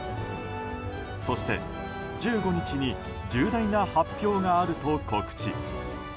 そして１５日に重大な発表があると告知。